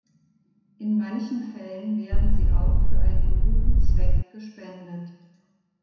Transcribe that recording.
In manchen Fällen werden sie auch für einen guten Zweck gespendet.